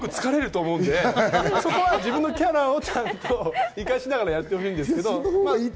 疲れると思うのでそこは自分のキャラをちゃんと生かしながらやってほしいんですけどね。